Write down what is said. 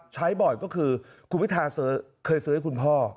ใช้บ่อยก็คือคุณพิทาเคยซื้อให้คุณพ่อ